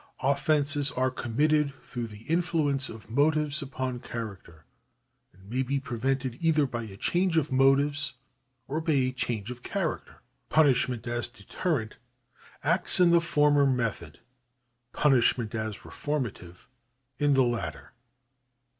Offences are committed through the influence of motives upon cha racter, and may be prevented either by a change of motives or by a change of character. Punishment as deterrent acts in the former method ; punishment as reformative in the latter.